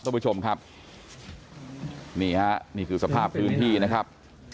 ท่านผู้ชมครับนี่ฮะนี่คือสภาพพื้นที่นะครับ